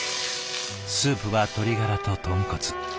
スープは鶏ガラと豚骨。